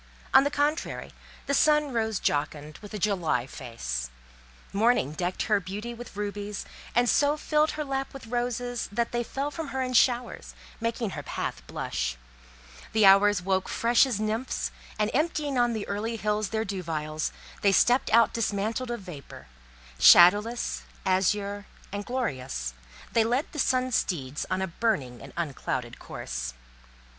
On the contrary: the sun rose jocund, with a July face. Morning decked her beauty with rubies, and so filled her lap with roses, that they fell from her in showers, making her path blush: the Hours woke fresh as nymphs, and emptying on the early hills their dew vials, they stepped out dismantled of vapour: shadowless, azure, and glorious, they led the sun's steeds on a burning and unclouded course.